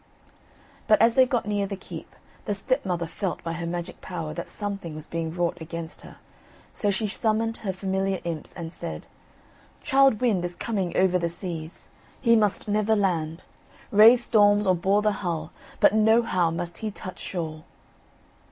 But as they got near the keep, the stepmother felt by her magic power that something was being wrought against her, so she summoned her familiar imps and said: "Childe Wynd is coming over the seas; he must never land. Raise storms, or bore the hull, but nohow must he touch shore."